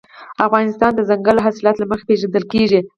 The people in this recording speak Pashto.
افغانستان د دځنګل حاصلات له مخې پېژندل کېږي.